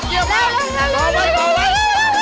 เยี่ยมมาก